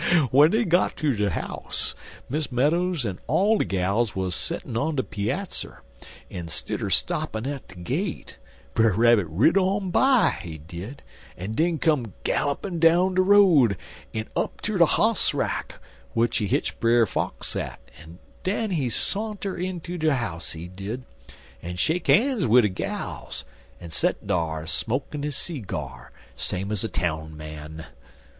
W'en dey got ter de house, Miss Meadows en all de gals wuz settin' on de peazzer, en stidder stoppin' at de gate, Brer Rabbit rid on by, he did, en den come gallopin' down de road en up ter de hoss rack, w'ich he hitch Brer Fox at, en den he santer inter de house, he did, en shake han's wid de gals, en set dar, smokin' his seegyar same ez a town man.